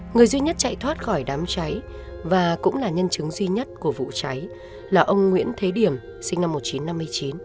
người duy nhất chạy thoát khỏi đám cháy và cũng là nhân chứng duy nhất của vụ cháy là ông nguyễn thế điểm sinh năm một nghìn chín trăm năm mươi chín